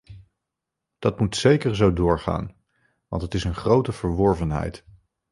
Dat moet zeker zo doorgaan, want het is een grote verworvenheid.